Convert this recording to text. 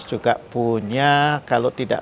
juga punya kalau tidak